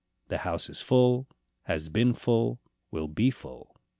The house is full, has been full, will be full.